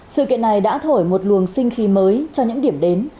sự kiện này đã thổi một luồng sinh khí mới cho những điểm đến